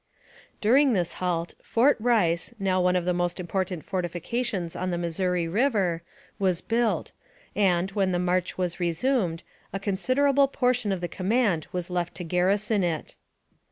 During this halt, Fort Kice, now one of the most important fortifications on the Missouri River, was built, and, when the march was resumed, a consider able portion of the command was left to garrison it.